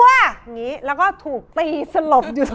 แบบนี้แล้วก็ถูกตีสลบอยู่ต้นนั่น